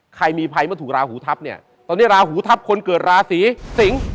ใครมีภัยเมื่อถูกราหูทัพเนี่ยตอนนี้ราหูทัพคนเกิดราศีสิงศ์